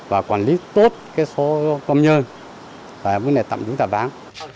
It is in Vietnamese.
và quản lý tốt cái số công nhân và vấn đề tạm dụng tạm ván